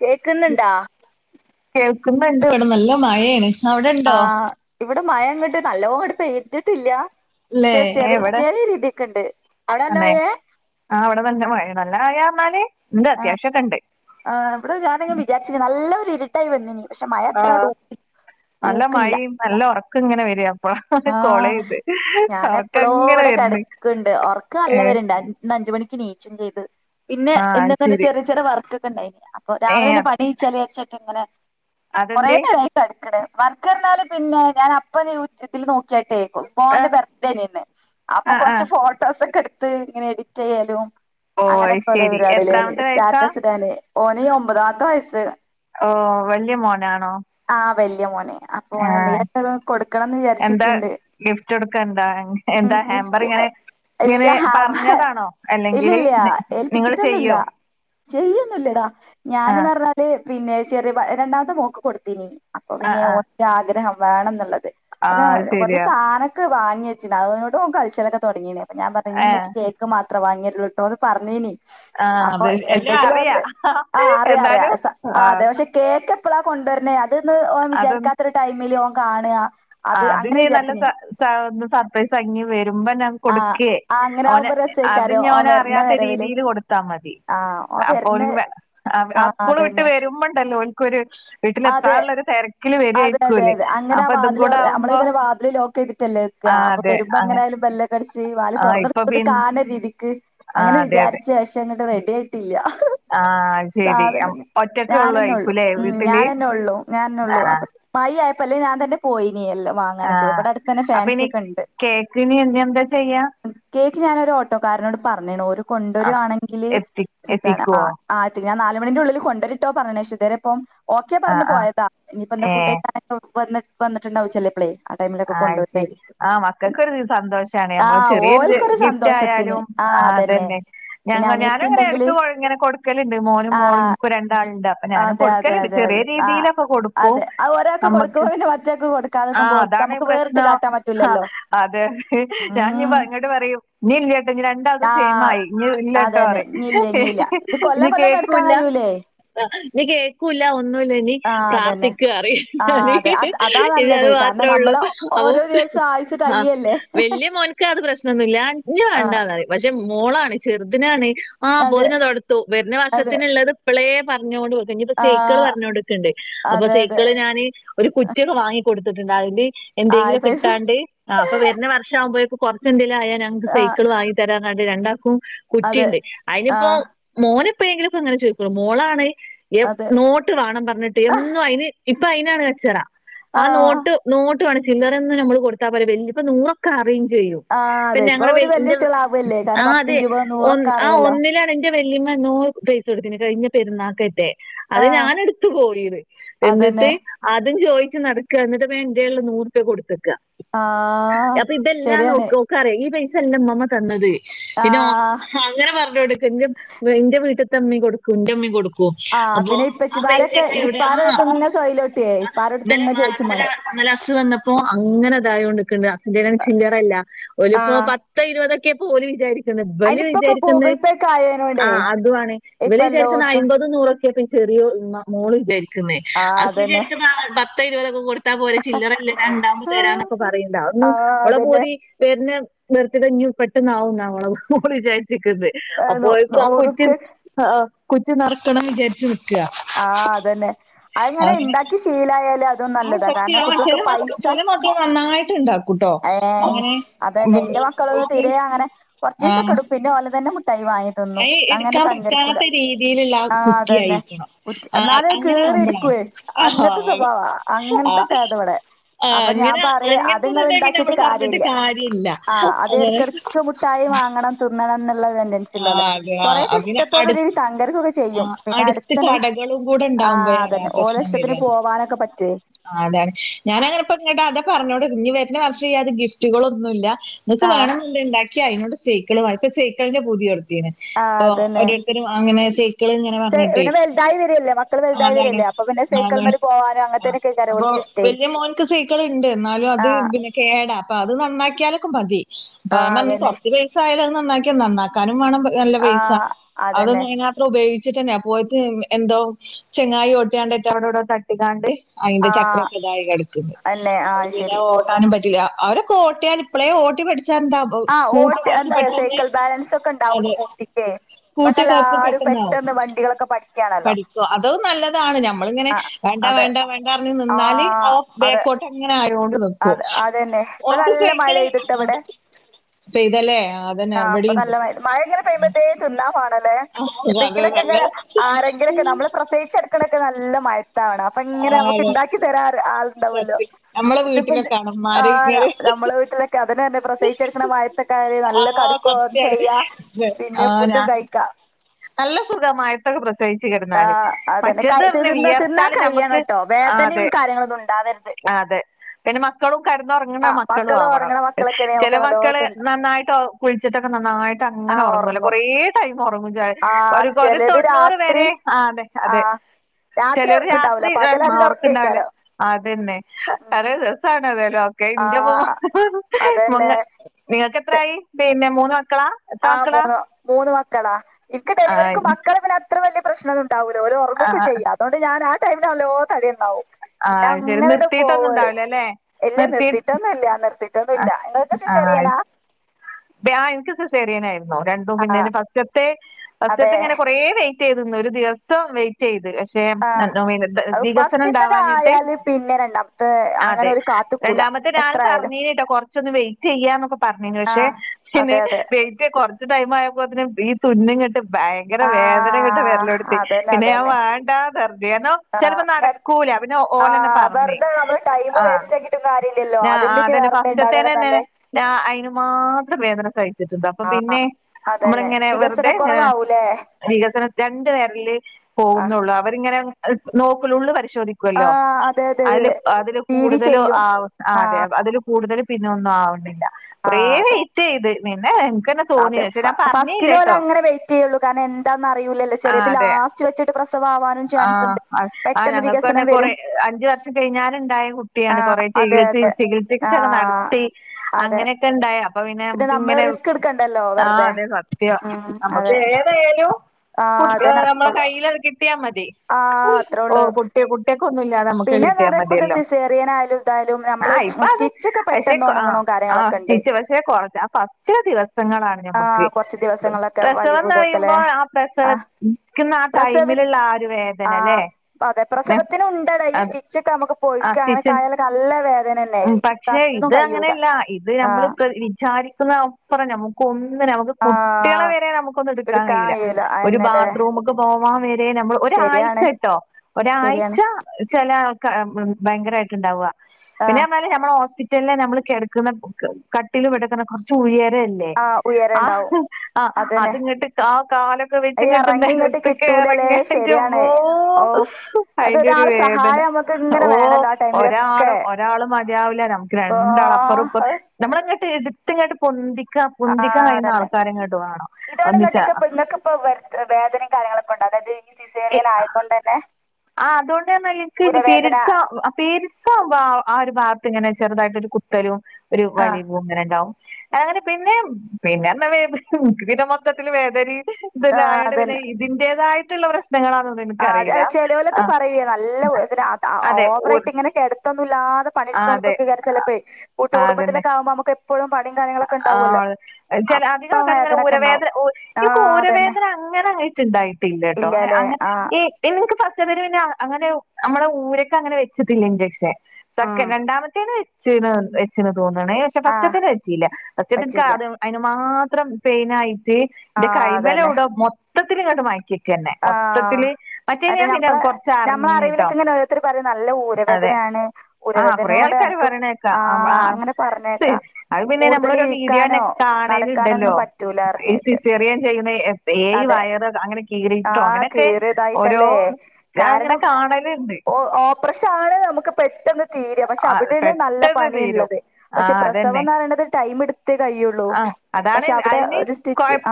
കേക്ക്‌ന്ന്ണ്ടാ കേൾക്ക്‌ന്ന്ണ്ട് ഇവിടെ നല്ല മഴയാണ് അവിടെണ്ടോ ആഹ് ഇവിടെ മയ അങ്ങട്ട് നല്ലോണട് പെയ്ത്ട്ടില്ലാ ല്ലേ ശ്ശെ ഏ ചെറി ഇവിടെ ചെറിയ രീതിക്ക്‌ണ്ട് അവിടെ നല്ല മയയാ ആഹ് ഇവിടെ നല്ല മഴയാണ് നല്ല മഴയാന്നാല് ഇണ്ട് അത്യാവശ്യൊക്ക്‌ണ്ട് ആഹ് ഇവ്ടെ ഞാനങ്ങ് വിചാരിച്ചത് നല്ലൊരു ഇര്ട്ടായി വന്നീനി പക്ഷെ മയത്രങ്ങട് ആഹ് നല്ല മയിം നല്ല ഒർക്ക്ങ്ങനെ വരാപ്പൊ കോളേയ്ത് എപ്പളോവടെ കെട്ക്ക്ണ്ട് ഒർക്ക് ഏ നല്ലംവര്ണ്ട്. ന്ന് അഞ്ച് മണിക്ക് നീച്ചും ചെയ്ത് പിന്നെ ആഹ് അത് ഇന്നങ്ങനെ ശരി ചെറ്യ ചെറ്യവർക്കൊക്കെ ണ്ടായ് അപ്പൊ ഏ രാവിലെന്നെ പ അത് ചെറര്ച്ച്ട്ടങ്ങനെ അതെന്തേ കൊറേനേരായ് കെട്ക്ക്ണ് വർക്ക്ർഞ്ഞാല് പിന്നെ ഞാൻ അപ്പന യൂ ടൂതില് നോക്കിയാട്ട്. മോന്റെ ആഹ് ബർത്ഡേര്ന്നിന്ന് അപ്പൊ ആഹ് കൊർച്ച് ആഹ് ഫോട്ടോസൊക്കെ എട്ത്ത് ങ്ങനെ എഡിറ്റ് ചെയ്യലും ഓ അത് അങ്ങനെക്കോരോ ശരി പരിപാടിലേന് എത്രാമത്തെ വയസാ സ്റ്റാറ്റസ് ഇടാന ഓന് ഒമ്പതാമത്തെ വയസ്സ് ഓഹ വല്യ മോനാണോ ആഹ് വല്യ മോന് അപ് ഓന് ആഹ് എന്തെങ്കിലൊക്കൊന്ന് കൊടുക്കണംന്ന് എന്താ വിചാരിച്ച്ക്ക്ണ്ട് ഗിഫ്റ്റ് കൊടുക്കണ്ടാ ഉം എന്താ ഹാമ്പർ ഗിഫ്റ്റ് ഇങ്ങനെ ഇങ്ങനെ ഇല്ല്യ ഹാമ് പറഞ്ഞതാണോ അല്ലെങ്കില് ഇല്ലല്ല്യ നിങ്ങള് ഏൽപ്പിച്ചിട്ടൊന്നുല്ല ചെയ്യോ ചെയ്യന്നില്ലെടാ ആഹ് ഞാനന്നർഞ്ഞാല് പിന്നെ ചെറിയ പ രണ്ടാമത്തെ മോക്ക് കൊടുത്തീനി അപ്പൊ ആഹ് പിന്നെ ആഹ് ഓൻ്റെ ആഗ്രഹം വേണംന്ന്ള്ളത് ആഹ് അപ്പൊഞാം അത് കൊർച് ശരിയാ സാനം ക്കെ വാങ്ങി വെച്ച്ണ് അതോണ്ടോന് കളിച്ചലൊക്കെ തൊട്ങ്ങീണ് അപ്പൊ ഞാം പറഞ്ഞ് ഞിമ്മച്ചി ഏഹ് കേ ക്ക് മാത്രം വാങ്ങരൊളളൂട്ടോന്ന് പർഞ്ഞീന് ആഹ് അതെഎല്ലാം അറിയാം ആഹ് അറിയാ അറിയാ എന്നാലും ആ ആഹ് അതെ പക്ഷെ കേക്ക് എപ്പളാ കൊണ്ടൊര്ണ് അതൊന്ന് ഓൻ വിചാരിക്കാത്തൊരു ടൈമില് ഓൻ കാണ ആഹ് അത് ഞിനല്ല സ സർപ്രൈസ് അഞി വെരുമ്പോ ഞാൻ ആഹ് കൊടുക്കേ ആഹ് അങ്ങനെ ഓന് ആവുമ്പോ അത് രസേക്കാരം ഓൻ വരണ ഞിഓനറിയാത്ത വരവില് രീതീല് കൊട്ത്താ മതി ആഹ് ഓൻ വരണ അപ്പൊന്ക് ആഹ് സ്കൂള് വിട്ട് വരുമ്പോണ്ടല്ലോ ഓര്ക്കൊരു അതെ വീട്ടിലെത്താനുള്ളൊരു തെര ക്ക്ല് വെരു ആയ്രിക്കുല്ലേ അപ്പൊ ഇതും കൂടെ ഇഹ് അമ്മള് ആവുമ്പോ ഇങ്ങനെ വാതില് ലോക്കീത്ട്ടല്ലേ ആ വെക്കാ അപ്പൊ അതെ തെരുമ്പോ അങ്ങ എങ്ങനായലും ബെല്ലൊക്ക അടിച്ച് വാല് ആ ഇപ്പൊ പി തൊറന്നൊടുത്തിട്ട് കാ ന്ന രീതിക്ക് ആ അങ്ങനെ അതെ അതെ വിചാരിച്ച് പഷെ ങ്ങ്ട്ട് റെഡി ആയിട്ടില്ല ആ ശരി സാധനങ്ങ ഒറ്റക്കെ ഞാനെന്നെ ഒള്ളു ഉള്ളായിരിക്കൂല്ലേ ഉം വീട്ടില് ഞാനെന്നെ ഒള്ളു ഞാനന്നെ ആ ഒള്ളു അപ്പ മയിയായപ്പ അല്ലേ ഞാൻ തന്നെ പോയി നെ എല്ലാം ആ വാങ്ങാനൊക്കെ ഇബടെ അടുത്തന്നെ അപ്പൊ ഫാൻസി ഇനി ഒക്ക ഇണ്ട് കേക്കിന് ഇനി എന്താ ചെയ്യാ കേക്ക് ഞാനൊരു ഓട്ടോകാരനോട് പറഞ്ഞേണു ഓര് ആ, കൊണ്ടൊരു ആണെങ്കില് എത്തി സുഖാണ് എത്തിക്കുവോ ആഹ് ആഹ് ത്തി ഞാൻ നാല് മണീന്റെ ഉള്ളില് കൊണ്ടരിട്ടോ പറഞ്ഞണേ ഷെ ദേരെപ്പം ഓക്കെ ആ പറഞ്ഞു ആ പോയതാ ഞ്ഞിപ്പോ എന്താ ഏ ഫുഡ് കയിക്കാൻ വന്ന് വന്ന്ട്ട്ണ്ടാവും ചെലേപ്പളേ ആഹ് അയ്ശരി ആഹ് മക്കൾക്കൊരു സന്തോഷാണെ നമ്മൾ ആഹ് ചെറിയൊരുത് ഓൽക്കൊരു ഗിഫ്റ്റ് സന്തോഷത്തിന് ആയാലും ആഹ് അതന്നെ പിന്നെ ഞങ്ങ അനിയത്തി ഞാനുങ്ങനെ എട ഇണ്ടെങ്കില് ക്കു ഇങ്ങനെ കൊടുക്കല്ണ്ട് മോനും മോളും ആഹ് ന്ക്ക് രണ്ടാള്ണ്ട് അപ്പ ഞാനും അതെ അതെ കൊടുക്കലണ്ട് അതെ ചെറിയ അതെ ആഹ് രീതിലൊക്ക കൊടു അതെ ആ ഒരാൾക്ക് കൊടുക്കുമ്പോ പിന്നെ മറ്റേ ആക്ക് കൊടുക്കാതെ പ്പ ഓർക്ക് നി പ്രശ്നാ ഹാ അതെ ഞാൻ ഉം ഞ്ഞിങ്ങട് പറയും ഞ്ഞി ഇല്ല്യാ ഞ്ഞി രണ്ടാൾക്കും ആഹ് സെയിമായി ഞ്ഞി ഇല്ലട്ടോ അതന്നെ പറയും ഇഞ്ഞില്ല ഇഞ്ഞില്ല ഇത് കൊല്ലം ഇഞ്ഞി കൊല്ലം എടുക്കാൻ കേക്കുല്ല കഴിയൂലേ ആഹ് ഞ്ഞി കേക്കുല്ല ഒന്നുല്ല ഇഞ്ഞി ആഹ് അതന്നെ പ്രാർത്ഥിക്ക പറയും ആഹ് ഞാന് അതെ അത് അതാ ഇഞ്ഞി നല്ലത് അത് കാരണം മാത്രേ ഉള്ളൂ നമ്മള് അപ്പൊ ഓരോ ദിവസം ആയുസ് ആഹ് കഴിയല്ലേ വല്ല്യേ മോനക്ക് അത് പ്രശ്നൊന്നുല്ല ഞ്ഞി ആഹ് വേണ്ടനറയും പക്ഷെ മ് മോളാണ് ചെറുതിനാണ് ആഹ് അതെ പോതിഞതെടുത്തു വരുന്ന അതെ വർഷത്തിന്ള്ളത് ഇപ്പളേ പറഞ്ഞു കൊണ്ട് പിന്നി പ്പൊ സൈക്കിള് ആഹ് പറഞ്ഞോട്ക്ക്ണ്ട് അപ്പൊ അതെ അതെ സൈക്കിള് ഞാന് ഒരു കുറ്റി ഒക്ക വാങ്ങി കൊടുത്ത്ട്ടുണ്ട് അതില് ആഹ് പൈസ എന്തെങ്കിലൊക്കട്ടാണ്ട് ആഹ് അപ്പൊ വരുന്ന വർഷാവുമ്പോഴേക്കും കൊറ ച്ച് എന്തേലും ഞാൻ ഇങ്ങക്ക് ആഹ് സൈക്കിള് വാങ്ങി തരാറഞാണ്ട് രണ്ടാക്കും അതെ കുറ്റിണ്ട് അയ്ഞ്ഞിപ്പോ ആഹ് മോന് എപ്പേഴേങ്കിലൊക്കങ്ങനെ ചോയ്ക്കൊള്ളു മോളാണ് എപ് അതെ നോ ട്ട് വാണം പറഞ്ഞിട്ട് എന്നും അയ്ന് ഇപ്പ അയ്നാണ് കച്ചറ ആ ആഹ് നോട്ട് നോ ട്ട് വാണം ചില്ലറെന്നും നമ്മള് കൊട്ത്താ പോര വലിത് നൂറൊക്ക അറയും ചെയ്യും ആഹ് അതെ പിന്നെ ഇപ്പൊ ഞങ്ങളെ ഒരു വെയ് വല്യ ന്റെ കുട്ടികളാവല്ലേ കാരണം ആഹ് പത്ത് അതെ ഇരുപത് ഒൻ നൂറൊക്കെ ആഹ് അറിയല്ലോ ഒന്നില എന്റെ വല്യുമ്മ എന്നോ പൈസ കൊടുത്തിന് കഴിഞ്ഞ പെരുന്നാക്കോറ്റേ അത് ആഹ് ഞാന് എടുത്ത് പോയിന്ന് അതന്നെ എന്നിട്ട് അതും ചോയ്ച്ച് നടക്ക ന്നിട്ട് പ ന്റേല് നൂറ്പ്യ കൊട്ത്ത്‌ക്ക ആഹ് അപ്പ ഇതെല്ലാം ശരിയാണ് നോക്കോ ക്കറിയാ ഈ പൈസല്ല മ്മമ്മ തന്നത് പിന്നെ ഓ ആഹ് ആ ങ്ങനെ പറഞ്ഞോട്ക്കന്നെ ന്റെ വീട്ടത്തെ ഉമ്മേം കൊടുക്കും എന്റെമ്മേം കൊടു ക്കും ആഹ് അപ്പൊ പിന്നെ ആ ഇപ്പച്ചിമാരൊക്കെ പൈസക്കെ എവിടെ ആഹ് ഇപ്പാരടുത്ത് ഇങ്ങ സൊയിലോട്ടിയേ ഇപ്പാരടുത്ത് ഇന്നലെ ഇങ്ങ മാ ചോദിച്ചും ഇന്നലെ മാണേ ഇന്നലെ അസ് വന്നപ്പോ അങ്ങനെ ഇതായോണ്ട്ക്ക്ണ്ട് അസിന്റെലാണെ ചില്ലറല്ല ഒലിപ്പോ ആഹ് പ ത്തോ ഇരുവതോക്കെ പോല് വിചാരി ക്കുന്നെ ഇബല് അയിനിപ്പൊക്കെ വിചാരിക്കുന്നത് ഗൂഗിൾ പേ ഒക്കെ ആയേനോണ്ടേ ആഹ് അതു ആണ് ഇപ്പ ഇബല് വിചാരിക്കുന്ന എല്ലോടത്തും അയ്മ്പത് നൂറൊ ക്കെ പിൻ ചെറിയോ ഉമ്മ മോള് വിചാരിക്കുന്നേ ആഹ് അസ്സ്‌ അതന്നെ വിചാരിക്കുന്ന പത്തോ ഇരുവതൊക്കെ കൊട് ത്താ പോരെ ചില്ലറല്ല ഞാൻ ഇണ്ടാവ്മ്പ തരാന്നൊക്കെ പറയ്ണ്ട് അതൊന്നും ആഹ് ഓളെ അതന്നെ പൂതി പേര്ന് ബർത്ത്ഡേ ഞ്ഞും പെട്ടെന്ന് ആവും ന്നാ ഓളെ ഓള് വിചാരിച്ച്ക്ക്ണ്ട് അപ്പൊ ഓൽക്ക് ആ കുറ്റി നൂറുപ്യ ആഹ് കുറ്റി നറക്കണം വിചാരിച്ചു ആഹ് അതന്നെ അത്ങ്ങനെ അങ്ങനെ ഇണ്ടാക്കി ശീലായാലും അ തും ആ നല്ലതാ കാരണം സത്യം ആ കുട്ട്യോൾക്ക് ചെല മക്ക പൈസ ചെല മക്കള് നന്നായിട്ട് ഇണ്ടാക്കൂട്ടോ ഏഹ് അങ്ങനെ അതന്നെ ഇന്റെ മക്കളൊന്നു ഓൽക്ക് തിരെയങ്ങനെ ആഹ് കുറച്ചീസൊക്കെടും പിന്നെ ഓല് തന്നെ മുട്ടായി വാങ്ങി തിന്നും അത് അങ്ങനെ എടുക്കാൻ തങ്കരിക്കൂല പറ്റാത്ത രീതിയിലുള്ള ആ ആഹ് അതന്നെ കുറ്റിയായിരിക്കണം കുറ്റി ആ എന്നാലു അത് അങ്ങനെ കീറി ആവുമ്പോഴാണ് എടുക്കുവേ ആ അങ്ങൻത്തെ സ്വഭാവാ ആ അങ്ങൻത്തെക്കെ ആ ദാ വ്ടെ അപ്പ ഞാൻ അങ്ങനെ പറയും അത് ങ്ങള് അങ്ങനത്തതുണ്ടെങ്കിൽ പിന്നെ ഇണ്ടാക്കിട്ട് നമ്മൾ പറഞ്ഞിട്ട് കാര്യല്ല കാര്യമില്ല ആഹ് അത് അങ്ങനെ എടക്കെടക്ക് മുട്ടായി വാ ങ്ങണം തിന്നണം ന്ന്ള്ള ടെൻഡൻസി ആ ഇള്ളോലാ അത് ആ കൊറെക്ക ആ പിന്നെ അടു ഇഷ്ടത്തോടൂടി തങ്കരിക്കൊക്കെ ആ ചെയ്യും പിന്നെ അട് അടുത്ത് കടകളും കൂടെ ഇണ്ടാവുമ്പഴാണേ ആ പ്രശ്നം ഇഷ്ടത്തിന് വരാ അതാണ് പോവാനൊക്കെ പറ്റുവേ ആഹ് അതാണ് ഞാനങ്ങനെ പ്പങ്ങ്ട് അതെ പറഞ്ഞോണ്ട് ഇര് ഞ്ഞി വര്ന വർഷം ഈയാതി ഗിഫ്റ്റുകളൊന്നും ഇല്ല ങ്ങക്ക് ആഹ് വേണംന്ന്ണ്ട് ഇണ്ടാക്കിയാ അയ്നോണ്ട് സൈക്കിള് വാങ്ങിത്തരും പ്പ സൈക്കിളിന്റെ പൂതി തോട്ത്തീണ് ആഹ് ഇപ്പൊ ഒര് ബരും അങ്ങനെ സൈ ഛെ പിന്നെ വൽതായി വരല്ലേ മക്കള് ആ വൽതായി അതാണ് വരല്ലേ അപ്പൊ പിന്ന സൈക്കിൾമ്മല് പോവാനും അങ്ങൻതേനൊക്കെ അയ്ക്കാരം ഓൽക്ക് ഇഷ് വല്ല്യ മോൻക്ക് സൈക്കള്ണ്ട് എന്നാലും അത് ആഹ് പിന്നെ കേടാ അപ്പൊ അത് നന്നാക്കിയാലൊക്കെമതി അപ്പൊ ആഹ് [unintelligible] പറഞ്ഞു അതന്നെ കൊറച്ച് പൈസായാലും അത് നന്നാക്കിയാ നന്നാ ക്കാനും വാണം നല്ല പൈസ ആഹ് അതൊന്നും അതന്നെ അയ്നാ [unintelligible] ഉപയോഗിച്ച്ട്ടെന്നെ അപ്പോത്തിന് എന്തോ ചെങ്ങായി ഓട്ടീയാണ്ടേറ്റെ അവിടെവിടോ തട്ടിക്കാണ്ട് അയ്ന്റെ ആഹ് ചക്രൊക്കെതായി കെടക്ക്ണ്ട് തന്നെ അപ്പോ ആഹ് പിന്നെ ശരി അത്‌ ഓ ട്ടാനും പറ്റില്ല അവരൊക്കെ ഓട്ടിയാല് ഇപ്പളേ ഓട്ടി പഠിച്ചാന്താവും ആഹ് ഓട്ട്യാ എന്താറിയോ സൈക്കൾ ബ്യാലെൻസൊക്കെ ണ്ടാവും അതെ സ്കൂട്ടിക്ക് ഇപ്പൊക്കെ സ്കൂട്ടിയൊക്കെ അവർക്ക് എല്ലാരും പെട്ടെന്ന് വണ്ടികളൊക്കെ പഠിക്കാണല്ലോ അത് നല്ലതാണ് ഞമ്മളിങ്ങനെ വേണ്ട അതെ വേണ്ട വേണ്ടാ പർഞ്ഞ് നിന്നാല് ആഹ് [unintelligible] അതെ ബാക്കോ ട്ട്ങ്ങനെ ആയോണ്ട് നിക്കും അത് അതന്നെ ഇപ്പൊ ഓൻക്ക് നല്ല മഴ സൈക്കിള് പെയ്തിട്ട് ഇവിടെ പെയ്തല്ലേ അതന്നെ ഇവടിണ്ട് മഴങ്ങനെ പെയുമ്പഴത്തേ തിന്നാ വാണല്ലേ അതെ എന്തെങ്കിലൊക്കെ നല്ല ഇങ്ങനെ ആരെങ്കിലൊക്കെ നമ്മള് പ്രസവിച്ചെ ക്കണൊക്കെ നല്ല മയത്താവണം അപ്പൊ ഇങ്ങനെ ആ അതെ നമുക്ക്ണ്ടാക്കി തരാന് ആളുണ്ടാവൊല്ലോ സത്യം നമ്മളെ ഇത് പിന്നെ വീട്ടിലൊക്കെ ആണ് ഇമ്മാര് ആഹ് ഇങ്ങനെ നമ്മളെ വീട്ടിലൊക്കെ അതന്നെ പറഞ്ഞ് പ്രസയിച്ചെടുക്കണ മഴത്തക്കാര് ആ നല്ല കടക്കോ ചെയ്യാ സത്യാണ് പിന്നെ ആ ഞാ ഫുഡും കഴിക്കാ നല്ല സുഖാ മഴയത്തൊക്കെ പ്രസവിച്ചു കിടന്നാല് ആഹ് അതന്നെ കൈ മറ്റേത് പർഞാ തിന്ന തിന്നാൻ വിയർത്താല് നമ്മക്ക് കഴിയണം ട്ടോ വേദനയും കാര്യങ്ങളൊന്നും ഉണ്ടാവര്ത് ആതെ പിന്നെ മക്കളും ആ കെടന്നൊറങ്ങ്ണ മക്കളും മക്കള് ആവണം ഉറങ്ങണ മക്കളൊക്കെയാണെ ചില നമുക്ക് നല്ലോ മക്കള് തിന്ന നന്നായിട്ട് കുളിച്ചിട്ടൊക്കെ നന്നായിട്ട് ആ അങ്ങനെ ഉറങ്ങൂല്ലോ ഉറങ്ങും കൊറേ ടൈം ഉറങ്ങും ആ ഒരു ഒരു ചിലത് തൊണ്ണൂറ് രാത്രി വരെ ആഹ് അതെ ആ അതെ രാത്രി ചിലര് ഉറക്കണ്ടാവൂല രാത്രി പകലല്ല ആഹ് ഉറക്കുണ്ടാവൂല ഉറക്കേക്കാരം അതന്നെ ഉം ആ നല്ല അതന്നെ [unintelligible] നിങ്ങൾക്ക് എത്രായി പിന്നെ മൂന്ന് മക്കളാ എത്ര ആഹ് മക്കളാ മൂന്ന് മൂന്ന് മക്കളാ ഇക്ക് ആ ഡെലിവർക്ക് മക്കളെ പിന്നെ അത്ര വലിയ പ്രശ്നൊ ന്നും ഉണ്ടാവൂല ഓര് ആ ഓറങ്ങോക്കെ ചെയ്യും അതുകൊ ണ്ട് ഞാൻ ആഹ് ടൈമില് നല്ലോ തടിയുണ്ടാവും ആ, പിന്നെ ശരി അങ്ങനങ്ട് പോവ നിർത്തിയിട്ടൊന്നും ഉണ്ടാവില്ല അല്ലെ ഇല്ല നിർത്തി നിർത്തിയിട്ടൊന്നുല്ല നിർത്തിട്ടൊന്നുല്ല നിങ്ങൾക്ക് സിസേറിയനാ ആഹ് എനിക്ക് സസേറിയനായിരുന്നു രണ്ടും പിന്നെ ഫസ്റ്റത്തെ അതെ ഫസ്റ്റത്തെ ഇങ്ങനെ കൊറേ വെയ് റ്റെയ്തിരുന്നു ഒരു ദിവസം വെയ്റ്റ് റ്റെയ്ത് പക്ഷെ ആഹ് അത് വികസനം ഫസ്റ്റ്ത്തത് ഉണ്ടാവാഞ്ഞിട്ട് ആയാല് പിന്നെ രണ്ടാമത്തെ ആഹ് അങ്ങനെ അതെ ഓല് കാത്ത്ക്കൂല രണ്ടാമത്തെ ഞാൻ എത്ര ആയാലും പറഞ്ഞേനിട്ടോ കൊറച്ചൊന്ന് വെയിറ്റ് ചെയ്യാന്നൊക്കെ പറഞ്ഞേന് പക്ഷെ ആഹ് പിന്നെ അതെ അതെ വെയിറ്റ് കുറച്ച് ടൈം ആയപ്പോതിനും ഈ തുന്നിങ്ങട്ട് ബാ യങ്കര വേദന കട്ട് ആഹ് വിരലെടുത്തി അതന്നെ പിന്നെ ഞാൻ അതന്നെ വേണ്ടാന്ന് പറഞ്ഞ് ചെലപ്പോ ന്നെ നടക്കൂല പിന്നെ ഓലന്നെ ആഹ് പറഞ്ഞ് വെറുതെ നമ്മള് ടൈം ആഹ് വേസ്റ്റ് ആക്കിയിട്ടും കാര്യല്ലല്ലോ ഞാ അതിന് ഇനി അതന്നെ വെറുതെ ഇണ്ടാക്ണേക്കാൾ ഫസ്റ്റത്തേനെന്നെ നല്ലേ ഞ അയിന് മാത് ത്രം വേദന സഹിച്ചിട്ടുണ്ട് അപ്പൊ ആഹ് പിന്നെ നമ്മള് അതന്നെ ഇങ്ങനെ വികസന വെറുതെ ഇങ്ങനെ കുറവാവൂലേ വികസന രണ്ടു വിരല് ആഹ് പോകുന്നുള്ളൂ അവരിങ്ങനെ നോക്കുല്ലോ ഉള്ളൂ പരിശോധിക് ല്ലോ ആഹ് അതെ അതെ അതില് അതെ അതില് ടി വി കൂടുതൽ ചെയ്യും ആഹ് ആഹ് അതെ അതില് കൂടുതൽ പിന്നൊന്നും ആവുന്നില്ല കുറേ ആഹ് അതെ വെയിറ്റ് ചെയ്ത് പിന്നെ എനിക്കന്നെ തോന്നി അത് പക്ഷെ ഞാൻ ഫസ്റ്റില പോലെ പറഞ്ഞില്ലട്ടോ അങ്ങനെ വെയിറ്റ് ചെയ്യുള്ളൂ കാരണം എന്താന്ന് അറിയൂലല്ലോ ചെലത് ലാസ്റ്റ് റ്റ് വച്ചിട്ട് പ്രസവാവാൻ ആഹ് ആഹ് ഞങ്ങൾക്ക് പറഞ്ഞ വരും കൊറെ അഞ്ച് വർഷം കഴിഞ്ഞാല് ഇണ്ടായ കുട്ടിയാണ് ആഹ് കൊറേ അതെ ചികിത്സ അതെ ചികിത്സക്കെ ചെല ആഹ് നടത്തി അതെ അങ്ങനെയൊക്കെ ഇണ്ടായ അപ്പൊ പിന്നെ നമുക്ക് നമ്മള് ഇങ്ങനെ റിസ്ക് എടുക്കണ്ടല്ലോ ആഹ് വെറുതെ അതെ സത്യവ ഉം അതെ നമ്മുക്ക് ഏതായാലും കു ആഹ് അതന്നെ നമ്മളെ അത്രേള്ളൂ കയ്യിലത് കിട്ടിയാ മതി ആഹ് അത്രേ ഉള്ളൂ ഓഹ് കുട് ട്ടിയ കുട്ടികൾക്ക് ഒന്നുമില്ലാതെ നമുക്ക് പിന്നെന്ന് കിട്ടിയാൽ പറഞ്ഞ ഇപ്പൊക്കെ മതിയല്ലോ സിസേറിയൻ ആയാലും ഇതായാലും നമ്മള് ആഹ് ഇപ്പ അത് സ്റ്റിച്ചൊക്കെ പക്ഷെ പെട്ടെന്ന് ആഹ് ഉണങ്ങണും ആഹ് കാര്യങ്ങളൊക്കെ ഉണ്ട് സ്റ്റിച്ച് പക്ഷെ കുറച്ച് ആഹ് ഫസ്റ്റില ദിവസങ്ങളാണ് ഞമ്മുക്ക് ആഹ് കുറച്ച് ദിവസങ്ങളിലൊക്കെ വലിവ് പ്രസവന്ന് പറയുമ്പോ ഇതൊക്കെല്ലേ ആഹ് ആഹ് പ്രസവിക്കുന്ന ആഹ് ടൈം പ്രസവി ആഹ് അതെ പ്രസവത്തിനും ഈ അത് സ്റ്റിച്ച് ഒക്കെ നമുക്ക് ആ പൊളിക്കാണെ സ്റ്റിച്ച് കാലിലൊക്കെ നല്ല വേദ ഉം പക്ഷെ ഇത് അങ്ങനെയല്ല ഇത് നമ്മൾ ആഹ് വിചാരിക്കുന്നതാവും നമുക്ക് ഒന്ന് നമുക്ക് കുട്ടികളെ ആഹ് വരെ നമുക്കൊന്നും എടുക്കാൻ കഴിയില്ല കഴിയൂല ഒരു അയന്നെല്ലേ ബാത്റൂമിൽ ഒക്കെ പോവാൻ വരെ നമ്മൾ ഒരാഴ്ച ശരിയാണ് കേട്ടോ ശരിയാണ് ഒരാഴ്ച ചില ആൾക്ക് ഭയങ്കരമായിട്ട് ഉണ്ടാവുക പിന്നെ ആഹ് പറഞ്ഞാല് നമ്മൾ ഹോസ്പി ല് നമ്മൾ കിടക്കുന്ന കട്ടിലും കിടക്കുന്ന കുറച്ച് ഉയരല്ലെ ആഹ് ഉയരണ്ടാവും ആഹ് ആ അതന്നെ അത്ങ്ങോട്ട് ആ കാലൊക്കെ വെച്ച് അത് ഇങ്ങട്ട് എറങ്ങി നിലത്ത് കിട്ടൂലല്ലേ ശരിയാണ് ഇറങ്ങാന്ൻറ്റമ്മോ ഓഫ് അയിന്റെ ഒരു അതൊരാളെ വേദന സഹായം നമ്മക്ക് ഇങ്ങനെ ഓഹ് വേണല്ലോ ആ ടൈമിലൊക്കെ ഒരാളും ഒരാള് മതിയാവില്ല നമുക്ക് രണ്ടാള് അപ്പറവും ആഹ് ഇപ്പറവും അത് നമ്മള ഇങ്ങോട്ട് എടുത്ത് ഇങ്ങോട്ട് പൊന്തിക്കാം പൊന്തിക്കാൻ ആഹ് കഴിയുന്ന അതന്നെ ആൾക്കാരെങ്ങോട്ട് വേണം ഒന്നിച്ച ഇപ്പൊ വര് വേദനയും കാര്യങ്ങളൊക്കെ ഉണ്ട് അതായത് ഈ സിസേറിയൻ ആയത് കൊണ്ട് തന്നെ ആഹ് അത് കൊണ്ട് തന്നെ എനിക്ക് ഊരവേദന പീരീഡ്സ് പീരീഡ്സ് ആവുമ്പോ ആഹ് ഒരു ഭാഗത്ത് ഇങ്ങനെ ചെറുതായിട്ട് ഒരു കുത്തലും ഒരു ആഹ് വലിവും അങ്ങനെണ്ടാവും അങ്ങനെ പിന്നെ പിന്നെന്താേ പിന്നെ മൊത്തത്തില് വേദനയും ഇത് ആഹ് ആയത്കൊണ്ട് അതന്നെ പിന്നെ ഇതിന്റതായിട്ടുള്ള പ്രശ്നങ്ങളാണ് ആഹ് അത് ചെലോരൊക്കെ പറയേ നല്ല വേദന അതെ ഓവറായിട്ട് ഇങ്ങനെയൊക്കെ കിടത്തൊന്നുംല്ലാതെ ആഹ് അതെ പണിയെടുക്ക്ണോൽക്ക് ചിലപ്പേ കൂട്ടു ആഹ് അതന്നെ കുടുംബത്തിലൊക്കെയാവുമ്പോ നമുക്ക് എപ്പഴും പണിയും കാ- ആഹ് ചില അധികം ആൾക്കാർ വേദനൊക്കെ ഉണ്ടാവും ഇങ്ങനെഊരവേദന ആ അതന്നെ ഊരവേദന അങ്ങന അങ്ങട്ട ഇണ്ടായിട്ടില്ല ട്ടോ ഇല്ലാല്ലേ അങ്ങനെ ആ ഈ- പിന്നെ നിക്ക് ഫസ്റ്റ് പിന്നെ അങ്ങനെ നമ്മടെ ഊരൊക്കെ അങ്ങനെ വെച്ചിട്ടില്ല ഇൻചക്ഷൻ ഉം സെക്ക രണ്ടാമത്തേന് വെച്ചിന് വെച്ചിന് തോന്നണേ പക്ഷെ ആ ഫസ്റ്റത്തതിന് വെ- ഇല്ല പറ്റിയില്ല ഫസ്ററത്തതി അതിന് മാത്രം പെയിനായിട്ട് ആ ഇന്റെ അതന്നെ കൈമലവിടോ മൊ- മൊത്തത്തിൽ ഇങ്ങട്ട് മയക്കി ആ മൊത്തത്തിൽ മറ്റേ അത് ഞാൻ പിന്നെ നമ്മളെ കൊറച്ച് നമ്മളെ അറിഞ്ഞീനിട്ടോ അറിവിലൊക്കെ ഇങ്ങനെ ഓരോരുത്തർ പറയും നല്ല അതെ ഊരവേദനയാണ് ആഹ് കൊറേ ഊരവേദനയോട് ആൾക്കാര് എനിക്ക് പറയണേക്കാ ആ ആഹ ആഹാ അങ്ങനെ ശെരി പറഞ്ഞേക്കാം അത് പിന്നെ കൂടുതൽ നമ്മളൊരു ഇരിക്കാനോ വീഡിയോന്നെ കാണലുണ്ടല്ലോ നടക്കാനൊന്നും പറ്റൂല ഈ അറിഞ്ഞിട്ട് സിസേറിയൻ ചെയ്യുന്ന പേയി അതെ വയറ അങ്ങനെ കീറിയിട്ടോ ആഹ് അങ്ങനെയൊക്കെ ഓരോ കീറിയതായിട്ടല്ലേ അങ്ങനെ കാരണം കാണലുണ്ട് ഓ ഓപ്പറേഷൻ ആണ് നമുക്ക് പെട്ടെന്ന് തീരുക പക്ഷെ ആ അവിടെയാണ് നല്ല പെട്ടെന്ന് തീരും പണിയുള്ളത് പക്ഷെ ആഹ് പ്രസവംന്ന് പറയണത് ടൈം എടു- -ത്തേ കയ്യുള്ളൂ ആഹ അതാണ് അതിന്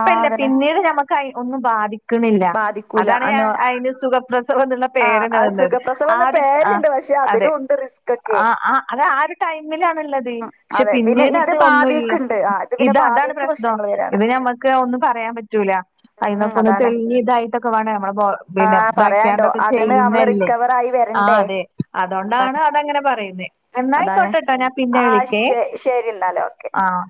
ആഹ് അതന്നെ പിന്നീട് നമ്മുക്ക് ഒന്നും ബാധിക്ക- -ണില്ല ബാധിക്കൂല അതാണ് അനോ അതിന് സുഖപ്രസവം എന്നുള്ള ആഹ് പേരെന്നെ അത് വന്നത് സുഖപ്രസവംന്ന് ആഹ ആഹ പേരുണ്ട് പക്ഷെ അതെ അതിലും ഉണ്ട് റിസ്ക് ഒക്കെ ആഹ ആഹ അത് ആ ഒരു ടൈമിലാണുള്ളത് ഉം, പക്ഷെ അതെ പിന്നെ പിന്നീട് അ- ഇത് അത ഒന്നുല്ല ഭാവിക്ക്ണ്ട് ആഹ് പിന്നെ ഇത് അതാണ് ഭാവിക്ക് പ്രശ്നം പ്രശ്നങ്ങൾ വരാണ് ഇത് ഉം ഞമ്മക്ക് ഒന്നും പറയാൻ പറ്റൂല ഉം, അതിനന്നൊക്കെ ഒന്ന് അതാണ് തെളഞ്ഞിയ ഇതായിട്ടൊക്കെ വേണ നമ്മള് പിന്നെ ആഹ് പറയാണ്ടോ വയ്ക്കാണ്ടൊക്കെ അതിന്ന് നമ്മള് ചെയ്യുന്നല്ലേ റിക്കവർ ആയി ആഹ വരണ്ടേ അതെ അതുകൊണ്ടാണ് അതങ്ങനെ പറയുന്നേ അതാണ് എന്നായിക്കോട്ടെട്ടോ ഞാൻ പിന്നെ ആഹ് വിളിക്കേ ശെ ശരി എന്നാൽ ഓക്കെ ആഹ്